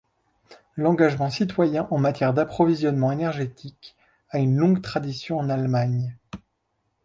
L'engagement citoyen en matière d'approvisionnement énergétique a une longue tradition en Allemagne.